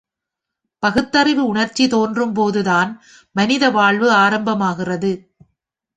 பகுத்தறிவு உணர்ச்சி தோன்றும்போதுதான் மனித வாழ்வு ஆரம்பமாகிறது.